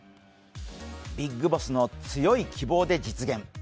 ビッグボスの強い希望で実現。